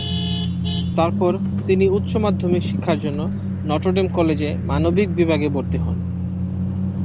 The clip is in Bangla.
তারপর তিনি উচ্চ মাধ্যমিক শিক্ষার জন্য নটর ডেম কলেজে মানবিক বিভাগে ভর্তি হন।